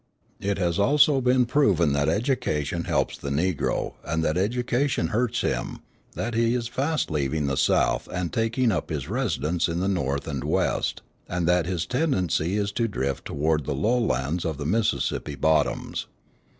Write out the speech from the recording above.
It has also been proven that education helps the Negro and that education hurts him, that he is fast leaving the South and taking up his residence in the North and West, and that his tendency is to drift toward the low lands of the Mississippi bottoms.